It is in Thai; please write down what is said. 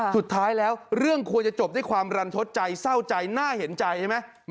สุดท้ายแล้วเรื่องควรจะจบด้วยความรันทดใจเศร้าใจน่าเห็นใจใช่ไหม